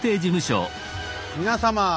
皆様。